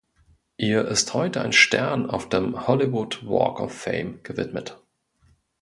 Ihr ist heute ein Stern auf dem Hollywood Walk of Fame gewidmet.